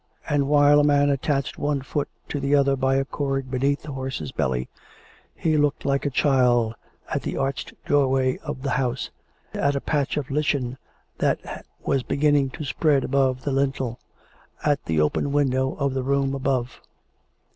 And while a man attached one foot to the other by a cord beneath the horse's belly, he looked like a child at the arched doorway of the house; at a patch of lichen that was beginning to spread above the lintel; at the open window of the room above.